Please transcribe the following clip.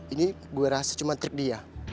ini gue rasa cuma trik dia